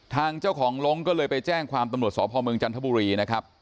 ทางเจ้าของลงก็เลยไปแจ้งความตำรวจสพเมืองจันทบุรีนะครับ